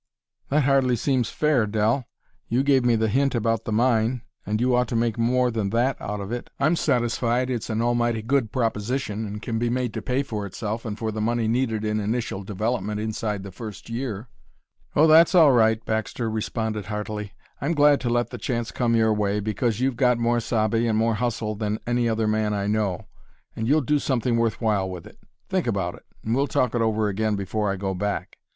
"That hardly seems fair, Dell. You gave me the hint about the mine, and you ought to make more than that out of it. I'm satisfied it's an almighty good proposition and can be made to pay for itself and for the money needed in initial development inside the first year." "Oh, that's all right," Baxter responded heartily. "I'm glad to let the chance come your way, because you've got more sabe and more hustle than any other man I know, and you'll do something worth while with it. Think about it, and we'll talk it over again before I go back.